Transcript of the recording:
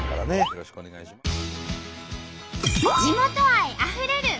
よろしくお願いします。